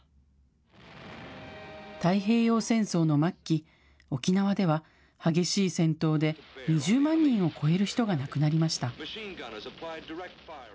太平洋戦争の末期、沖縄では激しい戦闘で２０万人を超える人が亡くなりました。